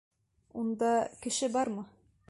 Унда... кеше бармы?